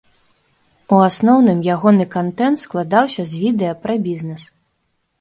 У асноўным ягоны кантэнт складаўся з відэа пра бізнэс.